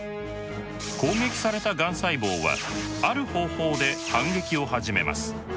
攻撃されたがん細胞はある方法で反撃を始めます。